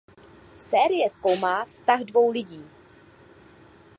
Série zkoumá vztah dvou lidí.